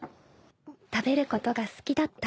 ［食べることが好きだった］